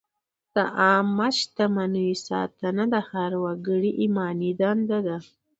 د عامه شتمنیو ساتنه د هر وګړي ایماني دنده ده.